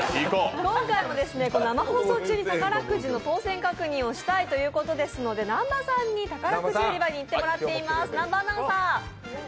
今回も生放送中に宝くじの当選確認をしたいということなので、南波さんに宝くじ売り場に行ってもらっています。